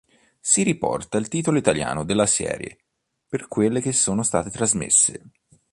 Si riporta il titolo italiano della serie, per quelle che sono state trasmesse.